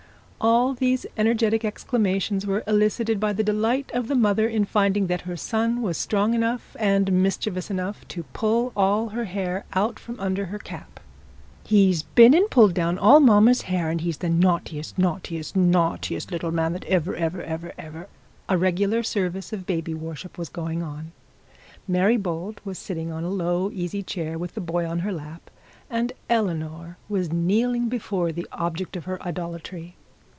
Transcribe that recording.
All these energetic exclamations were elicited by the delight of the mother in finding that her son was strong enough and mischievous enough, to pull all her hair out from under her cap. 'He's been and pulled down all mamma's hair, and he's the naughtiest, naughtiest, naughtiest little man that ever, ever, ever, ever, ever ' A regular service of baby worship was going on. Mary Bold was sitting on a low easy chair, with the boy in her lap, and Eleanor was kneeling before the object of her idolatry.